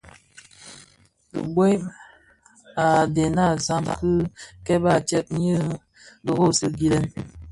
Dhibuem, badèna a zam dhi kèba a tyèn nyi dhorozi gilèn.